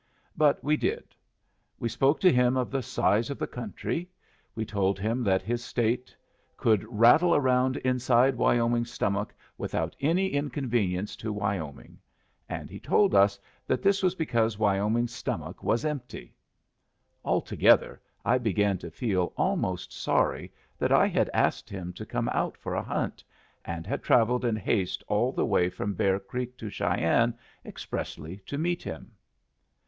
But we did. We spoke to him of the size of the country. We told him that his State could rattle round inside Wyoming's stomach without any inconvenience to Wyoming, and he told us that this was because Wyoming's stomach was empty. Altogether I began to feel almost sorry that I had asked him to come out for a hunt, and had travelled in haste all the way from Bear Creek to Cheyenne expressly to meet him.